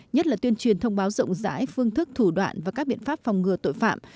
nhất là tuyên truyền thông báo rộng rãi phương thức thủ đoạn và các biện pháp phòng ngừa tội phạm